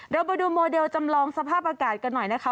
เราไปดูโมเดลจำลองสภาพอากาศกันหน่อยนะคะ